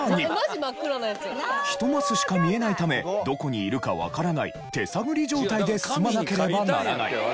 １マスしか見えないためどこにいるかわからない手探り状態で進まなければならない。